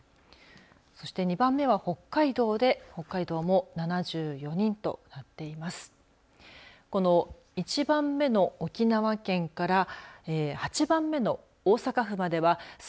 そして２番目は北海道で北海道も７４人となっています。